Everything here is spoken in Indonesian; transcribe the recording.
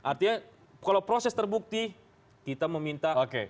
artinya kalau proses terbukti kita meminta